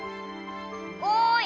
おい！